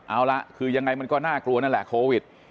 เอาละคือยังไงมันก็น่ากลัวนั่นแหละโควิด